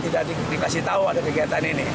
jadi dikasih tahu ada kegiatan ini